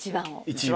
一番。